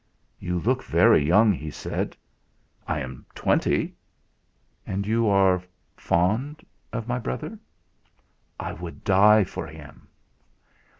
"You look very young," he said. "I am twenty." "And you are fond of my brother?" "I would die for him."